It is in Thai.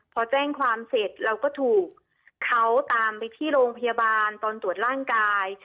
พอแจ้งความเสร็จเราก็ถูกเขาตามไปที่โรงพยาบาลตอนตรวจร่างกาย